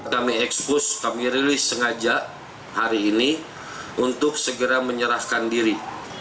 kami ekspos kami rilis sengaja hari ini untuk segera menyerahkan diri